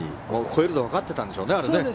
越えるのわかっていたんでしょうね。